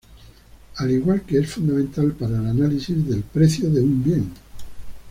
Al igual que es fundamental para el análisis del precio de un bien.